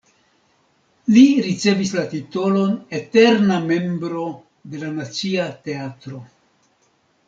Li ricevis la titolon eterna membro de la Nacia Teatro.